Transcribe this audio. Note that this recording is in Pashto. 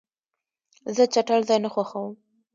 زه چټل ځای نه خوښوم.